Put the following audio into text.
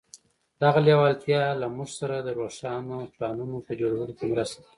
دغه لېوالتیا له موږ سره د روښانه پلانونو په جوړولو کې مرسته کوي.